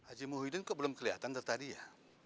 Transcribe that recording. haji muhyiddin kok belum keliatan tadi ya